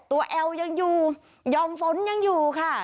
แอลยังอยู่หย่อมฝนยังอยู่ค่ะ